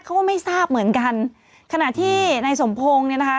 เขาก็ไม่ทราบเหมือนกันขณะที่ในสมพงศ์เนี่ยนะคะ